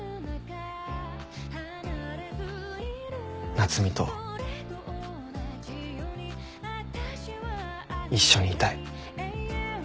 夏海と一緒にいたい。